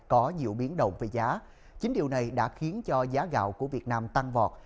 có nhiều biến động về giá chính điều này đã khiến cho giá gạo của việt nam tăng vọt